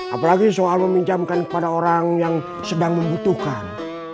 apalagi soal meminjamkan kepada orang yang sedang membutuhkan